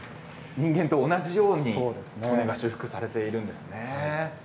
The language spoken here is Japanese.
人間と同じように修復されているんですね。